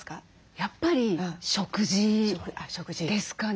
やっぱり食事ですかね。